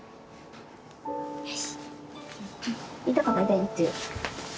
よし！